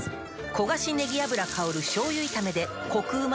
焦がしねぎ油香る醤油炒めでコクうま